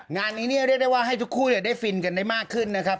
งานนี้เนี่ยเรียกได้ว่าให้ทุกคู่ได้ฟินกันได้มากขึ้นนะครับ